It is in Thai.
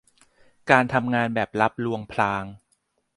การทำงานแบบลับลวงพราง